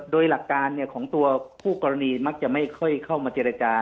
โดยหลักการของตัวคู่กรณีมักจะไม่ค่อยเข้ามาเจรจา